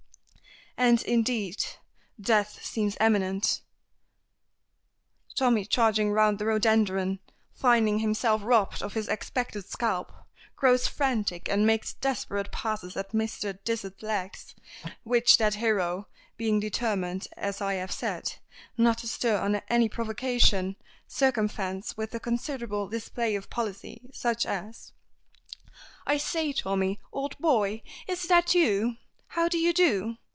And, indeed, death seems imminent. Tommy charging round the rhododendron, finding himself robbed of his expected scalp, grows frantic, and makes desperate passes at Mr. Dysart's legs, which that hero, being determined, as I have said, not to stir under any provocation, circumvents with a considerable display of policy, such as: "I say, Tommy, old boy, is that you? How d'ye do?